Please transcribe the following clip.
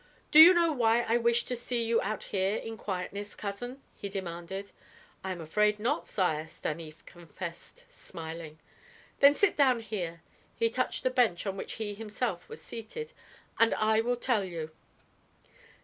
"Do you know why I wished to see you out here in quietness, cousin?" he demanded. "I am afraid not, sire," Stanief confessed, smiling. "Then sit down here," he touched the bench on which he himself was seated, "and I will tell you."